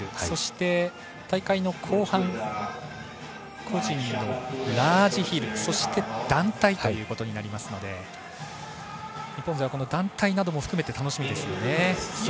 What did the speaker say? そして、大会の後半個人のラージヒルそして団体ということになるので日本勢は、団体も含めて楽しみですね。